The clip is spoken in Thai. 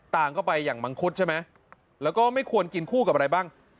ต่างเข้าไปอย่างมังคุดใช่ไหมแล้วก็ไม่ควรกินคู่กับอะไรบ้าง